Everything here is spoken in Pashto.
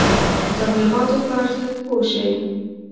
د تبلیغاتو په ارزښت پوه شئ.